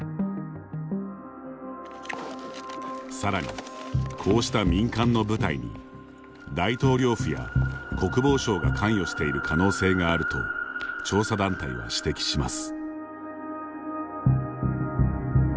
さらに、こうした民間の部隊に大統領府や国防省が関与している可能性があると調査団体は指摘します。